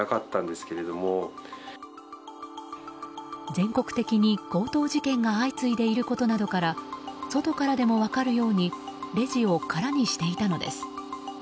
全国的に強盗事件が相次いでいることなどから外からでも分かるようにレジを空にしていたのです。